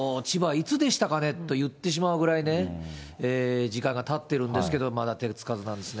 いつでしたかね？と言ってしまうぐらいね、時間がたっているんですけれども、まだ手付かずなんですね。